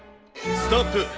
ストップ。